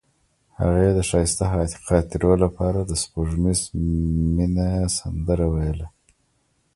هغې د ښایسته خاطرو لپاره د سپوږمیز مینه سندره ویله.